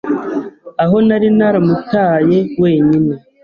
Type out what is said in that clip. aho nari naramutaye wenyine,